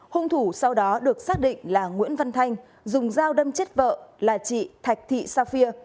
hung thủ sau đó được xác định là nguyễn văn thanh dùng dao đâm chết vợ là chị thạch thị sa phia